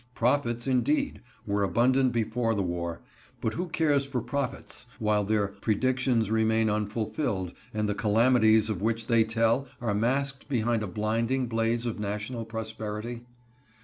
Prophets, indeed, were abundant before the war; but who cares for prophets while their predictions remain unfulfilled, and the calamities of which they tell are masked behind a blinding blaze of national prosperity?